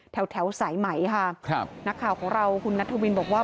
แถวสายไหมค่ะครับนักข่าวของเราคุณนัทวินบอกว่า